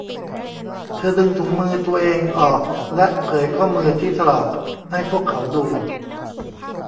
เธอดึงถุงมือตัวเองออกและเผยข้อมือที่ถลอกให้พวกเขาดู